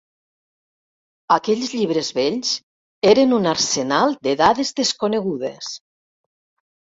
Aquells llibres vells eren un arsenal de dades desconegudes.